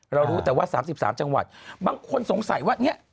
เรารู้แต่ว่า๓๓จังหวัดบางคนสงสัยว่า